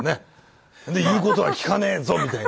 で言うことは聞かねえぞみたいな。